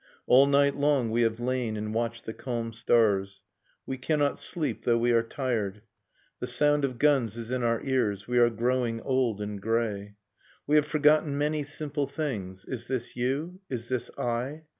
All night long we have lain and watched the calm stars. We cannot sleep, though we are tired, The sound of guns is in our ears, We are growing old and grey. We have forgotten many simple things. Is this you? Is this I?